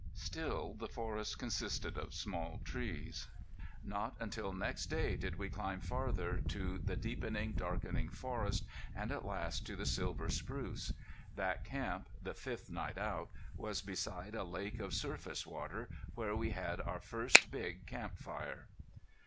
Still the forest consisted of small trees. Not until next day did we climb farther to the deepening, darkening forest, and at last to the silver spruce. That camp, the fifth night out, was beside a lake of surface water, where we had our first big camp fire.